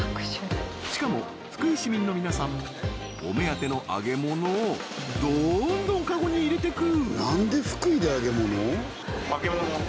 しかも福井市民の皆さんお目当ての揚げ物をどんどんかごに入れてく！